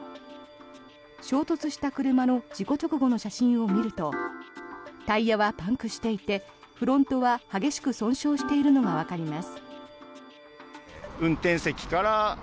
衝突した車の事故直後の写真を見るとタイヤはパンクしていてフロントは激しく損傷しているのがわかります。